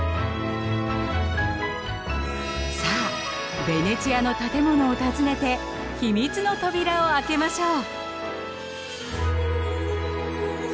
さあベネチアの建物を訪ねて秘密の扉を開けましょう！